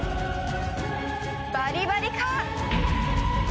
バリバリか？